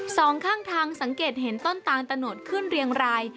สองข้างทางสังเกตเห็นต้นตาลตะโนดขึ้นเรียงราย